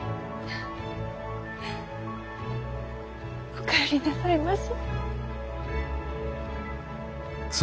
お帰りなさいまし。